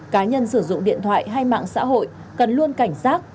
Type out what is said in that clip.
cá nhân sử dụng điện thoại hay mạng xã hội cần luôn cảnh giác